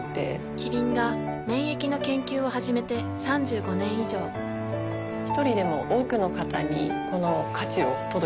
キリンが免疫の研究を始めて３５年以上一人でも多くの方にこの価値を届けていきたいと思っています。